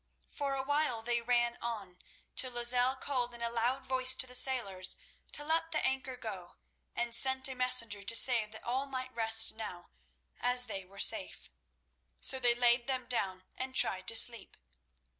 For a while they ran on, till Lozelle called in a loud voice to the sailors to let the anchor go, and sent a messenger to say that all might rest now, as they were safe. So they laid them down and tried to sleep.